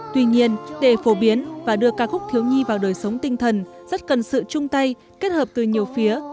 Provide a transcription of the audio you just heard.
tuy nhiên để phổ biến và đưa ca khúc thiếu nhi vào đời sống tinh thần rất cần sự chung tay kết hợp từ nhiều phía